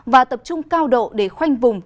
và tập trung cao độ để khoanh vùng